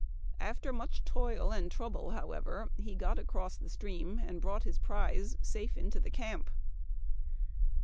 After much toil and trouble, however, he got aeross the stream, and brought his prize safe into the earn p.